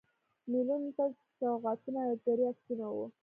میلمنو ته سوغاتونه او یادګاري عکسونه و.